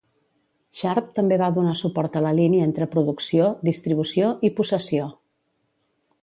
Sharpe també va donar suport a la línia entre producció, distribució i possessió.